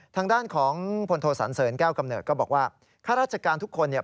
ทางด้านของพลโทสันเสริญแก้วกำเนิดก็บอกว่าข้าราชการทุกคนเนี่ย